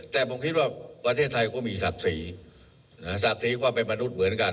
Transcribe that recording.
แต่ผมคิดว่าประเทศไทยก็มีศักดิ์ศรีศักดิ์ศรีความเป็นมนุษย์เหมือนกัน